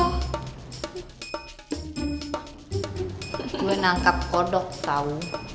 gue nangkap kodok tau